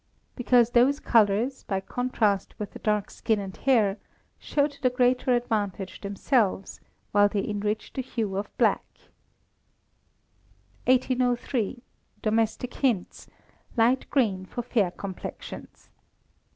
_ Because those colours, by contrast with the dark skin and hair, show to the greater advantage themselves, while they enrich the hue of black. 1803. Domestic Hints (Light Green for Fair Complexions).